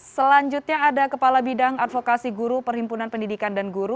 selanjutnya ada kepala bidang advokasi guru perhimpunan pendidikan dan guru